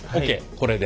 これで。